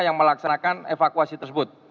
yang melaksanakan evakuasi tersebut